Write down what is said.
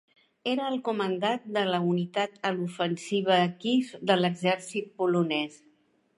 Era el Comandant de la unitat a l'Ofensiva de Kiev de l'Exèrcit Polonès.